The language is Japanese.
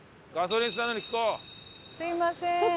すみません。